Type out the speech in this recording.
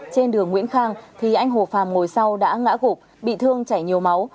trên đường nguyễn khang thì anh hồ phạm ngồi sau đã ngã gục bị thương chảy nhiều máu